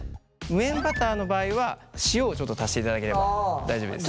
無塩バターの場合は塩をちょっと足していただければ大丈夫です。